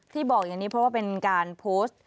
บอกอย่างนี้เพราะว่าเป็นการโพสต์